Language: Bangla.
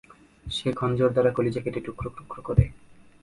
সে খঞ্জর দ্বারা কলিজা কেটে টুকরো টুকরো করে।